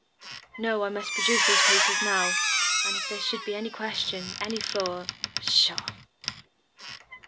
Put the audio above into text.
No, I must produce those papers now, and if there should be any question, any flaw " "Pshaw!"